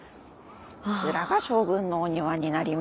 こちらが将軍のお庭になります。